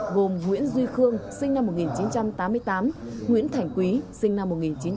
gồm nguyễn duy khương sinh năm một nghìn chín trăm tám mươi tám nguyễn thảnh quý sinh năm một nghìn chín trăm chín mươi sáu